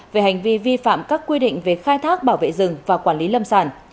về hành vi vi phạm các quy định về khai thác bảo vệ rừng và quản lý lâm sản